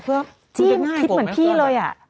รู้ได้ง่ายไปกว่าที่เนี่ย